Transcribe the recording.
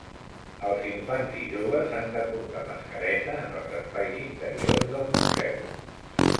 Els infants i joves han de portar mascareta en els espais interiors dels museus.